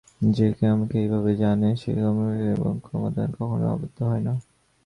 যে-কেহ আমাকে এইভাবে জানে, সে কর্মকৌশল জানে এবং কর্মদ্বারা কখনও আবদ্ধ হয় না।